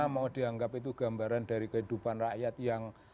mau dianggap itu gambaran dari kehidupan rakyat yang